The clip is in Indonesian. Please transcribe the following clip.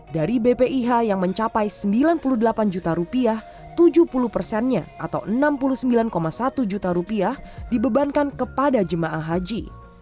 dari bpih yang mencapai sembilan puluh delapan juta tujuh puluh persennya atau enam puluh sembilan satu juta dibebankan kepada jemaah haji